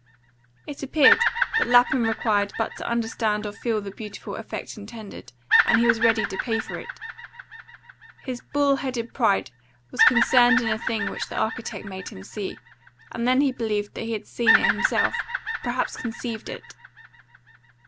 It appeared that Lapham required but to understand or feel the beautiful effect intended, and he was ready to pay for it. His bull headed pride was concerned in a thing which the architect made him see, and then he believed that he had seen it himself, perhaps conceived it.